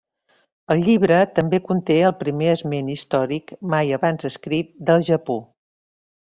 El llibre també conté el primer esment històric mai abans escrit del Japó.